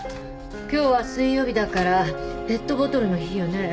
今日は水曜日だからペットボトルの日よね。